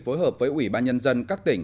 phối hợp với ủy ba nhân dân các tỉnh